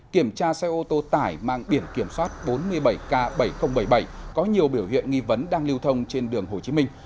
kiểm tra xe ô tô tải mang biển kiểm soát bốn mươi bảy k bảy nghìn bảy mươi bảy có nhiều biểu hiện nghi vấn đang lưu thông trên đường hồ chí minh